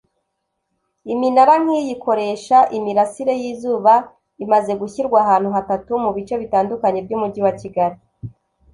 Iminara nk’iyi ikoresha imirasire y’izuba imaze gushyirwa ahantu hatatu mu bice bitandukanye by’umujyi wa Kigali